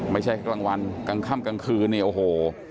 กลางวันกลางค่ำกลางคืนเนี่ยโอ้โห